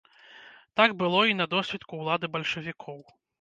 Так было і на досвітку ўлады бальшавікоў.